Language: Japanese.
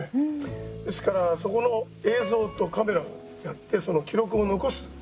ですからそこの映像とカメラをやってその記録を残す。